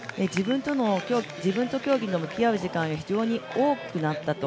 自分と競技に向き合う時間が非常に多くなったと。